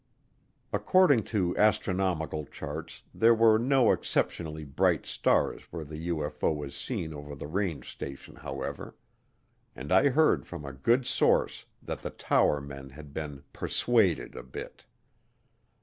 (According to astronomical charts, there were no exceptionally bright stars where the UFO was seen over the range station, however. And I heard from a good source that the tower men had been "persuaded" a bit.)